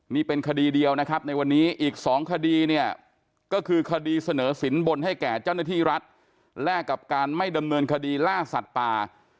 นี่เป็นคดีเดียวนะครับในวันนี้อีก๒คดีเนี่ยก็คือคดีเสนอสินบนให้แก่เจ้าหน้าที่รัฐแลกกับการไม่ดำเนินคดีล่าสัตว์ป่า